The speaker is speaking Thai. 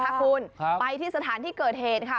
คุณไปที่สถานที่เกิดเหตุค่ะ